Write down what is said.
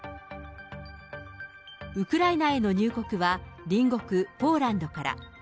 ウクライナへの入国は、隣国、ポーランドから。